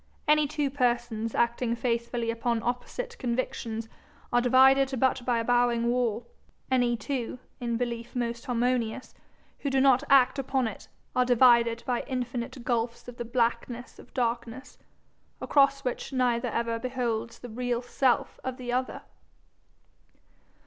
Any two persons acting faithfully upon opposite convictions, are divided but by a bowing wall; any two, in belief most harmonious, who do not act upon it, are divided by, infinite gulfs of the blackness of darkness, across which neither ever beholds the real self of the other.